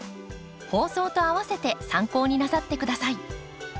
放送と併せて参考になさってください。